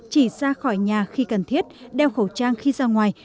chỉ ra khỏi nhà khi cần thiết đeo khẩu trang khi ra ngoài